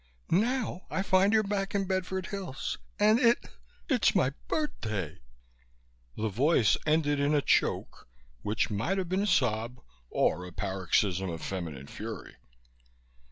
Now I find you're back in Bedford Hills, and it it's my birthday " The voice ended in a choke which might have been a sob or a paroxysm of feminine fury.